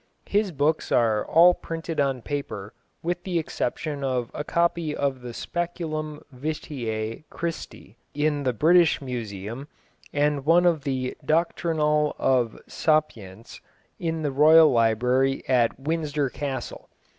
His books are all printed on paper, with the exception of a copy of the Speculum Vitæ Christi in the British Museum, and one of the Doctrinal of Sapyence, in the Royal Library at Windsor Castle.